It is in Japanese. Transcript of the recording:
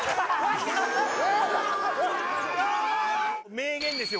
名言ですよ